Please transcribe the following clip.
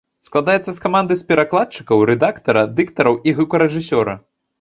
Складаецца з каманды з перакладчыкаў, рэдактара, дыктараў і гукарэжысёра.